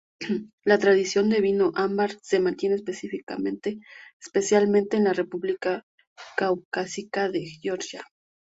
La tradición de vino ámbar se mantiene especialmente en la república caucásica de Georgia.